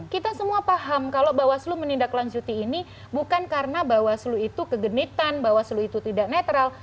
kita semua paham kalau bawaslu menindaklanjuti ini bukan karena bawaslu itu kegenitan bawaslu itu tidak netral